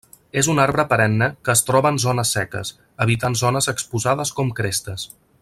És un arbre perenne que es troba en zones seques, evitant zones exposades com crestes.